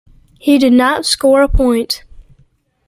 He did not score a point.